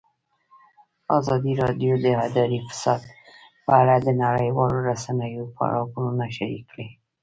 ازادي راډیو د اداري فساد په اړه د نړیوالو رسنیو راپورونه شریک کړي.